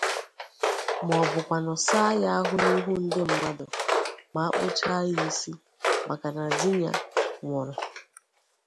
maọbụkwanụ saa ya ahụ n'ihu mmadụ ma a kpụchaa ya isi maka na dinya nwụrụ.